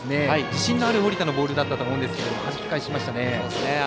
自信のある堀田のボールだったと思いますけどはじき返しました。